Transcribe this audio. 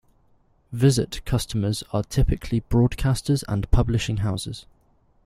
Vizrt customers are typically broadcasters and publishing houses.